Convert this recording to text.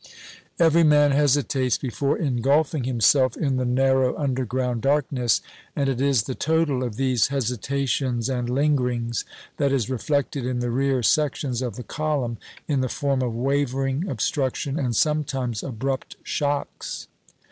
Every man hesitates before ingulfing himself in the narrow underground darkness, and it is the total of these hesitations and lingerings that is reflected in the rear sections of the column in the form of wavering, obstruction, and sometimes abrupt shocks.